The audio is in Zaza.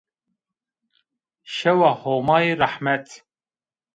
Şewa Homayî rehmet